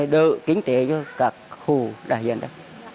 đợi kinh tế cho các khu đại dân đó